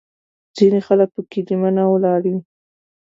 ځینې خلک په کلیمه نه ولاړ وي.